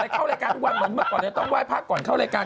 เข้ารายการทุกวันเหมือนเมื่อก่อนจะต้องไหว้พระก่อนเข้ารายการ